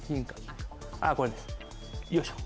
あこれですよいしょ。